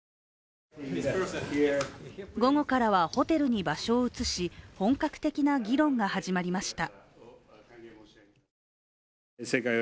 午後からはホテルに場所を移し、本格的な議論が始まりました。